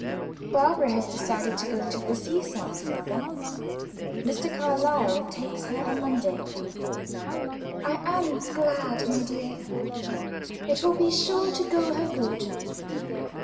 "Barbara has decided to go to the seaside, mother. Mr. Carlyle takes her on Monday." "I am glad, my dear, it will be sure to go her good.